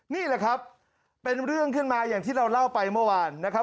นี่แหละครับเป็นเรื่องขึ้นมาอย่างที่เราเล่าไปเมื่อวานนะครับ